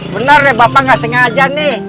benar ya bapak nggak sengaja nih